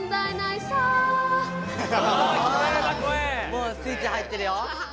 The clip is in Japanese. もうスイッチ入ってるよ。